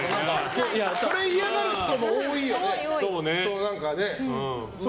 それ嫌がる人も多いよね。